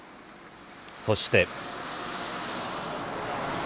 そして。